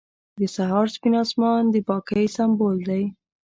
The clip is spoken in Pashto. • د سهار سپین آسمان د پاکۍ سمبول دی.